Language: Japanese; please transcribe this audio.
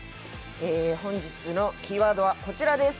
本日のキーワードはこちらです。